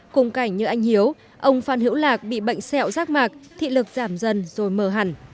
cùng cảnh như anh hiếu ông phan hiễu lạc bị bệnh sẹo rác mạc thị lực giảm dần rồi mờ hẳn